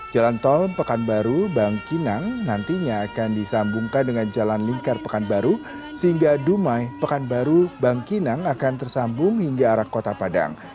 jalan tol pekanbaru bangkinang nantinya akan disambungkan dengan jalan lingkar pekanbaru sehingga dumai pekanbaru bangkinang akan tersambung hingga arah kota padang